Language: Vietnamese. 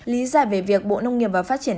lý giải về việc bộ nông nghiệp và phát triển